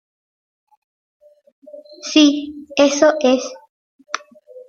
Sin embargo, Elisabeth evitó toda la publicidad y Agnes se presentó como la autora.